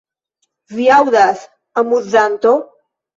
Vi aŭdas, amuzanto?